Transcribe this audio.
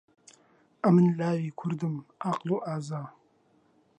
ئەمن لاوی کوردم، عاقڵ و ئازا.